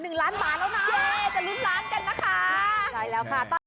เวลา๙นาฬิกา๓๐นาที